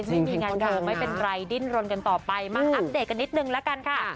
ไม่มีงานโทรไม่เป็นไรดิ้นรนกันต่อไปมาอัปเดตกันนิดนึงละกันค่ะ